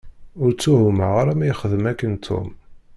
Ur ttuhumeɣ ara ma ixdem akken Tom.